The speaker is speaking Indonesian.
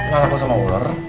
gak takut sama ular